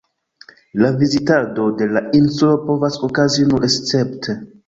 La vizitado de la insulo povas okazi nur escepte.